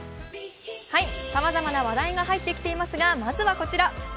さまざまな話題が入ってきていますがまずはこちら。